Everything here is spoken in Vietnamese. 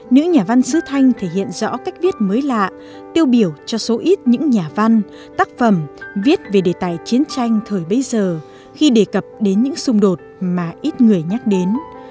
nữ nhà văn sứ thanh thể hiện rõ cách viết mới lạ tiêu biểu cho số ít những nhà văn tác phẩm viết về đề tài chiến tranh thời bấy giờ khi đề cập đến những xung đột mà ít người nhắc đến